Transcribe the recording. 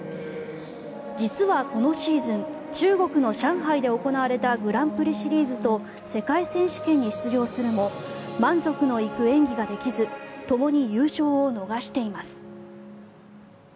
実は、このシーズン中国の上海で行われたグランプリシリーズと世界選手権に出場するも満足のいく演技ができずともに優勝を逃しています。